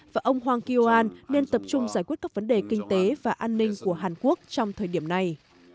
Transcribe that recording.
và ông hwang kyo an nên tập trung giải quyết các vấn đề kinh tế và an ninh của hàn quốc trong thời điểm này